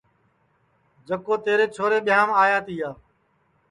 جکو تیرے چھورے ٻیاںٚم آیا تیا